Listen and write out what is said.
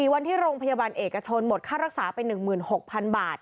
วันที่โรงพยาบาลเอกชนหมดค่ารักษาไป๑๖๐๐๐บาท